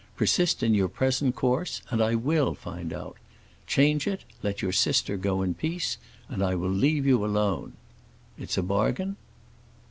Persist in your present course and I will find out. Change it, let your sister go in peace, and I will leave you alone. It's a bargain?"